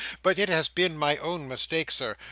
But it has been my own mistake, Sir.